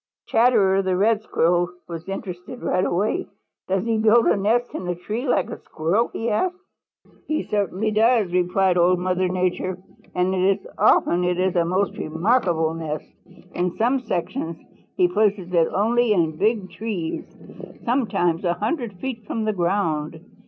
Chatterer the Red Squirrel was interested right away. "Does he build a nest in a tree like a Squirrel?" he asked. "He certainly does," replied Old Mother Nature, "and often it is a most remarkable nest. In some sections he places it only in big trees, sometimes a hundred feet from the ground.